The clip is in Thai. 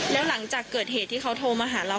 แล้วหลังจากเกิดเหตุที่เขาโทรมาหาเรา